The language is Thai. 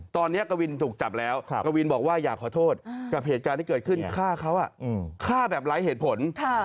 ตอนนี้กวินถูกจับแล้วกวินบอกว่าอยากขอโทษกับเหตุการณ์ที่เกิดขึ้นฆ่าเขาฆ่าแบบไร้เหตุผล